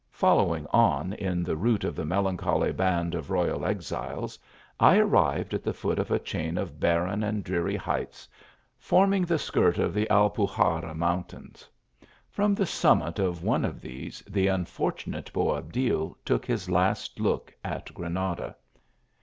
Following on in the route of the melancholy band of royal exiles, I arrived at the foot of a chain of bar ren and dreary heights, forming the skirt of the Al puxarra mountains. From the summit of one of these, the unfortunate Boabdil took his last look at Granada.